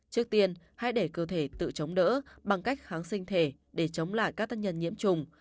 trước tiên hãy để cơ thể tự chống đỡ bằng cách kháng sinh thể để chống lại các tác nhân nhiễm trùng